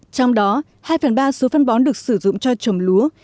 trong đó hai phần ba số phân bón được sử dụng cho trồng lúa